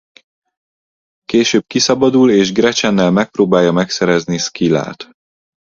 Később kiszabadul és Gretchennel megpróbálja megszerezni a Scyllát.